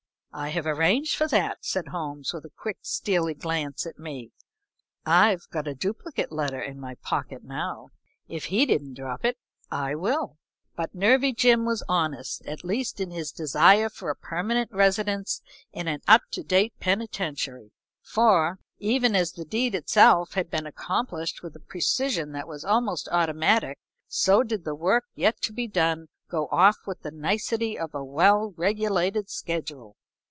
"I have arranged for that," said Holmes, with a quick, steely glance at me. "I've got a duplicate letter in my pocket now. If he didn't drop it, I will." But Nervy Jim was honest at least in his desire for a permanent residence in an up to date penitentiary, for, even as the deed itself had been accomplished with a precision that was almost automatic, so did the work yet to be done go off with the nicety of a well regulated schedule.